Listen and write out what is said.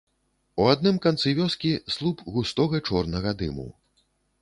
У адным канцы вёскі слуп густога чорнага дыму.